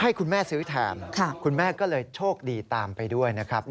ให้คุณแม่ซื้อแทนคุณแม่ก็เลยโชคดีตามไปด้วยนะครับ